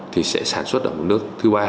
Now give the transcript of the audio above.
thì sẽ sản xuất ở một nước